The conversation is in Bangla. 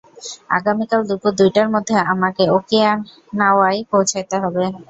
আগামীকাল দুপুর দুইটার মধ্যে আমাকে ওকিনাওয়ায় পৌঁছাতে হবে।